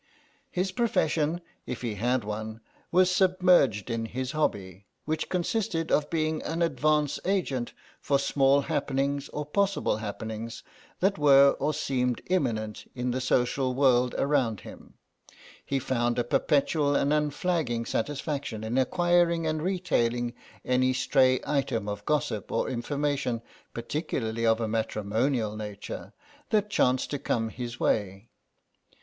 His profession, if he had one, was submerged in his hobby, which consisted of being an advance agent for small happenings or possible happenings that were or seemed imminent in the social world around him; he found a perpetual and unflagging satisfaction in acquiring and retailing any stray items of gossip or information, particularly of a matrimonial nature, that chanced to come his way.